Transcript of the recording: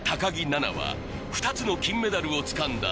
菜那は２つの金メダルを掴んだ